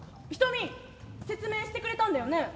瞳説明してくれたんだよね？